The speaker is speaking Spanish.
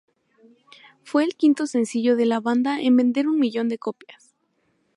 Fue el quinto sencillo de la banda en vender un millón de copias.